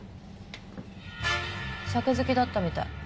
酒好きだったみたい。